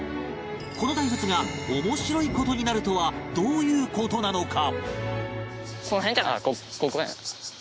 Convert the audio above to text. この大仏が面白い事になるとはどういう事なのか？